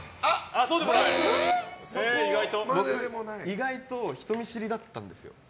意外と人見知りだったんです。